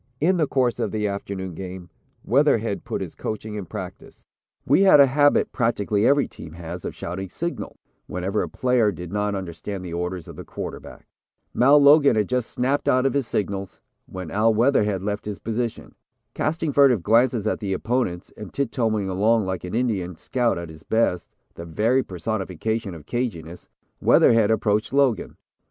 In the course of the afternoon game, Weatherhead put his coaching in practice. "We had a habit practically every team has of shouting 'Signal' whenever a player did not understand the orders of the quarterback. Mal Logan had just snapped out his signals, when Al Weatherhead left his position. Casting furtive glances at the opponents, and tip toeing along like an Indian scout at his best, the very personification of 'caginess,' Weatherhead approached Logan.